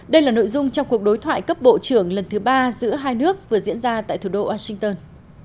đây là nội dung trong cuộc đối thoại cấp bộ trưởng lần thứ ba giữa hai nước vừa diễn ra tại thủ đô washington